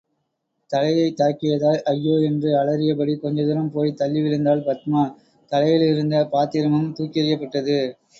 தலையைத் தாக்கியதால், ஐயோ என்று அலறியபடி கொஞ்சதூரம் போய் தள்ளி விழுந்தாள் பத்மா, தலையிலிருந்த பாத்திரமும் தூக்கி எறியப்பட்டது.